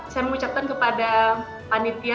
saya mengucapkan kepada panitia